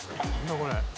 これ。